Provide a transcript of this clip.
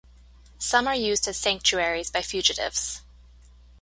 Some are used as sanctuaries by fugitives.